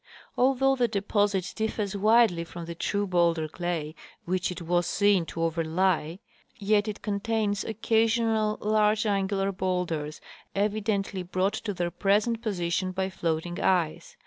Although the deposit differs widely from the true bowlder clay which it was seen to overlie, yet it contains o'ccasional large angular bowlders, evidently brought to their present position by floating ice.